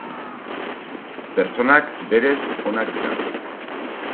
Pertsonak berez onak dira.